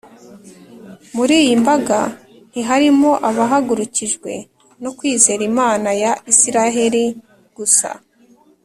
muri iyi mbaga ntiharimo abahagurukijwe no kwizera imana ya isiraheli gusa,